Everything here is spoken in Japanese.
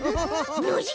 ノジ？